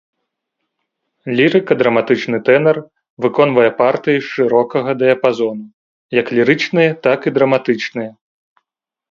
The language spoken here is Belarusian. Лірыка-драматычны тэнар выконвае партыі шырокага дыяпазону як лірычныя, так і драматычныя.